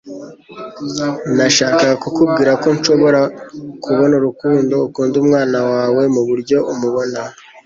Nashakaga kukubwira ko nshobora kubona urukundo ukunda umwana wawe muburyo umubona.